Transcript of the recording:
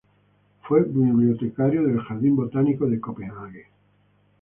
Fue bibliotecario del Jardín Botánico de Copenhague.